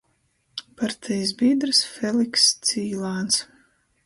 Partejis bīdrs Felikss Cīlāns,